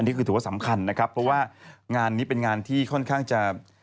ถือว่าสำคัญนะครับเพราะว่างานนี้เป็นงานที่ค่อนข้างจะ